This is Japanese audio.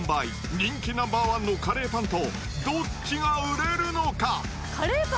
人気ナンバー１のカレーパンとどっちが売れるのか。